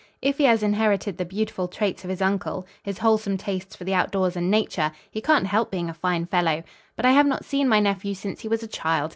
"If he has inherited the beautiful traits of his uncle, his wholesome tastes for the outdoors and nature, he can't help being a fine fellow. But I have not seen my nephew since he was a child.